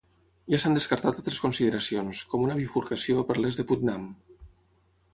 Ja s'han descartat altres consideracions, com una bifurcació per l'est de Putnam.